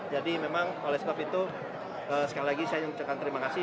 jadi memang oleh sebab itu sekali lagi saya ingin mengucapkan terima kasih